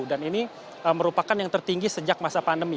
dan ini merupakan yang tertinggi sejak masa pandemi